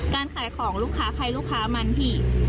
การขายของลูกค้าใครลูกค้ามันพี่